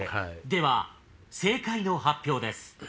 では正解の発表です。